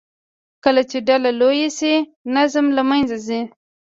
کله چې ډله لویه شي، نظم له منځه ځي.